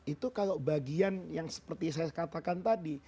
itu kalau bagian yang seperti saya katakan tadi